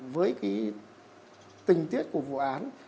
với tình tiết của vụ án